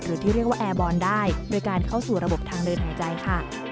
ที่เรียกว่าแอร์บอลได้โดยการเข้าสู่ระบบทางเดินหายใจค่ะ